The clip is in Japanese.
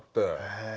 へえ。